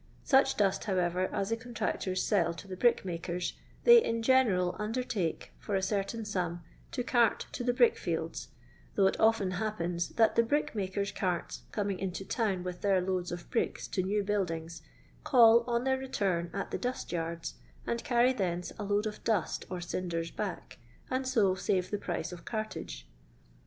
Such dust, howerer, aa tbe contractoiB Bell to the brick roaken, they in general undertake, for a certain sum, to cart to the brick fields, though it often happens that the brick makers' carts coming into town with their loads of bricks to new buildings, call on their return at the dust yards, and carry thenoe a load of dust or cinders back, and so save the price of cartage.